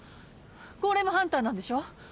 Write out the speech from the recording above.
ゴーレムハンターなんでしょ？